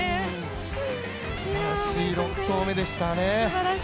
すばらしい６投目でしたね。